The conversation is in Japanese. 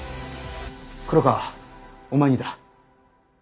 黒川お前にだ。